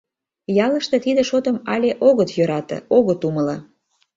Ялыште тиде шотым але огыт йӧрате, огыт умыло...